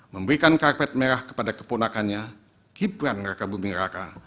memberikan karpet merah kepada keponakannya gibran raka buming raka